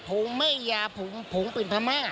ผมไม่ยาผมผมเป็นพม่า